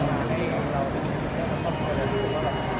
ไม่มีไร